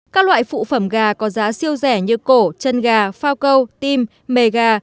các loại phụ phẩm gà có giá siêu rẻ như cổ chân gà phao câu tim mề gà